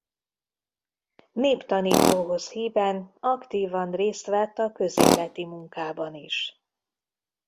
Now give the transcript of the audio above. Néptanítóhoz híven aktívan rész vett a közéleti munkában is.